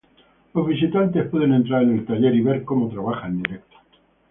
Los visitantes pueden entrar en el taller y ver cómo trabaja en directo.